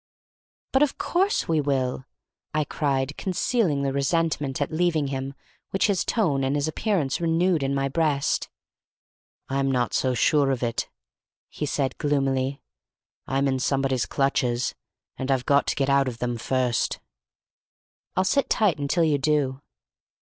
"But of course we will!" I cried, concealing the resentment at leaving him which his tone and his appearance renewed in my breast. "I'm not so sure of it," he said, gloomily. "I'm in somebody's clutches, and I've got to get out of them first." "I'll sit tight until you do."